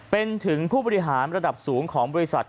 เป็นถึงผู้บริหารระดับสูงของบริษัท